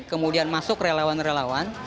kemudian masuk relawan relawan